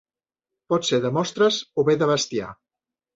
Pot ser de mostres o bé de bestiar.